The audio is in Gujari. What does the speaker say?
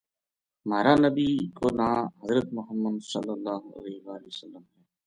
مہار نبی کو ناں حضر محمد ﷺ ہے